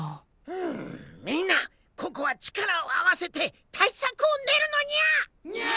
うんみんなここは力を合わせて対策を練るのニャ！